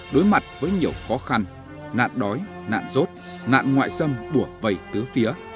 đối mặt với nhiều khó khăn nạn đói nạn rốt nạn ngoại xâm bùa vây tứ phía